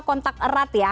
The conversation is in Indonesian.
kontak erat ya